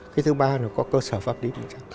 cái thứ ba là có cơ sở pháp lý